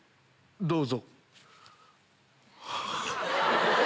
どうぞ。